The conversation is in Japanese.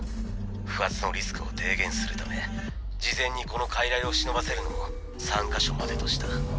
不発のリスクを低減するため事前にこの傀儡を忍ばせるのも３か所までとした。